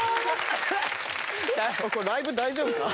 これライブ大丈夫か？